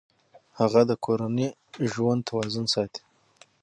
هغه د کورني ژوند توازن ساتي.